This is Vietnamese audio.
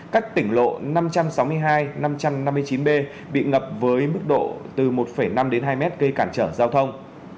các tỉnh lộ năm trăm sáu mươi hai năm trăm năm mươi chín b bị ngập với mức độ từ một năm đến hai mét gây cản trở giao thông